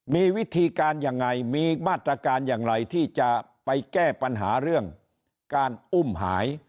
มีวิธีการยังไงมีมาตรการอย่างไรที่จะไปแก้ปัญหาเรื่องการอุ้มหาย